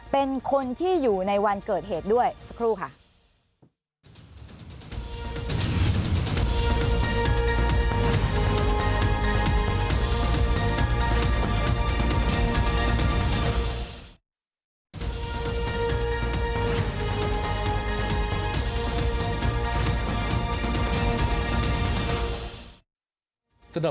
เป็นคนที่อยู่ในวันเกิดเหตุด้วยสักครู่ค่ะ